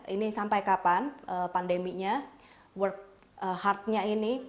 ini sampai kapan pandeminya work hardnya ini